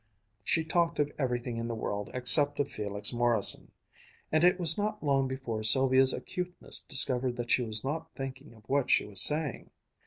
She talked of everything in the world except of Felix Morrison; and it was not long before Sylvia's acuteness discovered that she was not thinking of what she was saying.